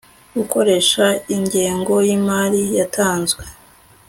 gukoresha ingengo y imari yatanzwe